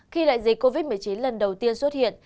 khi đại dịch covid một mươi chín lần đầu tiên xuất hiện